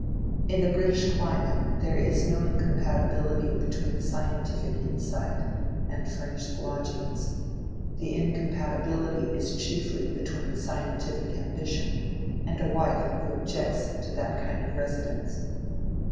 In the British climate there is no incompatibility between scientific insight and furnished lodgings: the incompatibility is chiefly between scientific ambition and a wife who objects to that kind of residence.